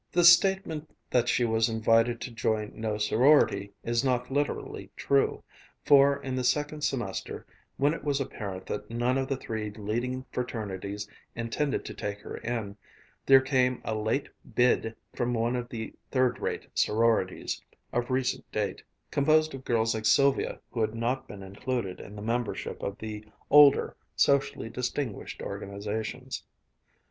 The statement that she was invited to join no sorority is not literally true, for in the second semester when it was apparent that none of the three leading fraternities intended to take her in, there came a late "bid" from one of the third rate sororities, of recent date, composed of girls like Sylvia who had not been included in the membership of the older, socially distinguished organizations.